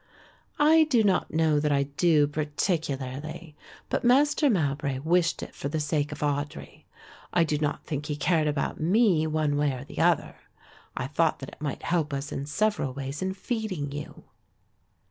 "I do not know that I do particularly, but Master Mowbray wished it for the sake of Audry. I do not think he cared about me one way or the other. I thought that it might help us in several ways in feeding you."